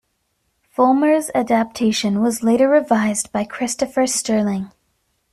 Fullmer's adaptation was later revised by Christopher Sterling.